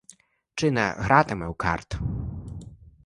Чи не гратиме у карт?